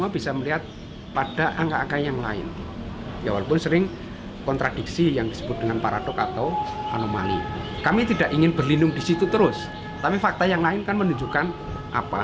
belindung di situ terus tapi fakta yang lain kan menunjukkan apa